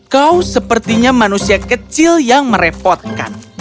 kau sepertinya manusia kecil yang merepotkan